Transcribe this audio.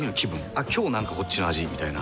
「あっ今日なんかこっちの味」みたいな。